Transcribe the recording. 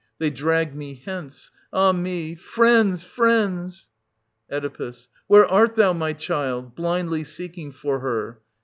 They drag me hence — ah me !— friends, friends ! Oe. Where art thou, my child ? {blindly seeking for her).